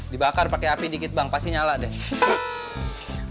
dibakar pakai api dikit bang pasti nyala deh